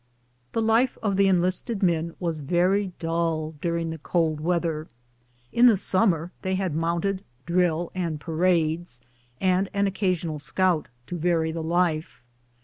The life of the enlisted men was very dull during the cold weather. In the sunmier they had mounted drill and parades, and an occasional scout, to vary the life.